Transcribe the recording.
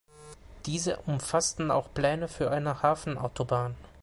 Diese umfassten auch Pläne für eine Hafen-Autobahn.